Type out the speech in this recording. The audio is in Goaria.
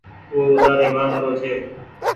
او اوڍآري مآنگ رو ڇي۔